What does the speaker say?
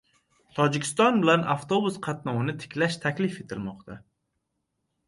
Tojikiston bilan avtobus qatnovini tiklash taklif etilmoqda